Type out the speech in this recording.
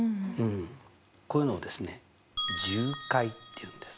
こういうのをですね重解っていうんです。